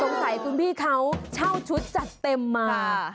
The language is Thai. สงสัยคุณพี่เขาเช่าชุดจัดเต็มมา